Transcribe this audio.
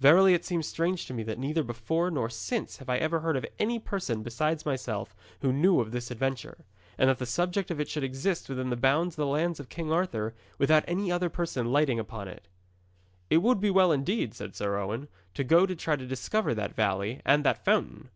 'Verily it seems strange to me that neither before nor since have I ever heard of any person besides myself who knew of this adventure, and that the subject of it should exist within the bounds of the lands of King Arthur, without any other person lighting upon it.' 'It would be well, indeed,' said Sir Owen, 'to go to try to discover that valley and that fountain.'